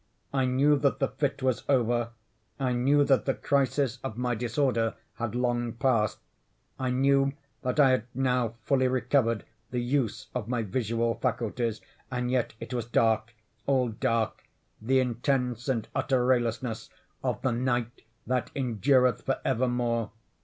I knew that the fit was over. I knew that the crisis of my disorder had long passed. I knew that I had now fully recovered the use of my visual faculties—and yet it was dark—all dark—the intense and utter raylessness of the Night that endureth for evermore.